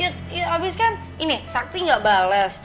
ya ya abis kan ini sakti gak bales